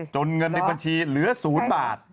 จนเงินในบัญชีเหลือศูนย์บาท